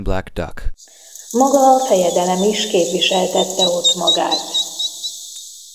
Maga a fejedelem is képviseltette ott magát.